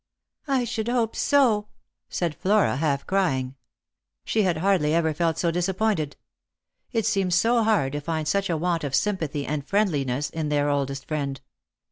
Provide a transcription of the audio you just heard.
" I should hope so," said Flora, half crying. She had hardly ever felt so disappointed. It seemed so hard to find such a want of sympathy and friendliness in their oldest friend.